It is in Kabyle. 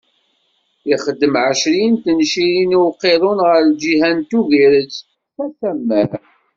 Ixdem ɛecrin n tencirin i uqiḍun ɣer lǧiha n Tuburet, s asammer.